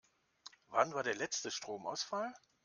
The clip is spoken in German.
Wann war der letzte Stromausfall?